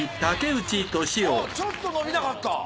ちょっと伸びなかった？